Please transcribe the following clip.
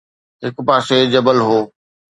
هڪ پاسي جبل هو